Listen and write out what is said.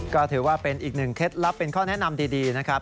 ก็ถือว่าเป็นอีกหนึ่งเคล็ดลับเป็นข้อแนะนำดีนะครับ